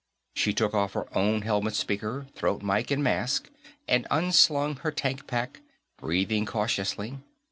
She took off her own helmet speaker, throat mike and mask and unslung her tank pack, breathing cautiously.